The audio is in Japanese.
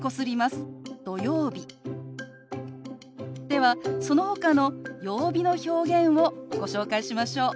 ではそのほかの曜日の表現をご紹介しましょう。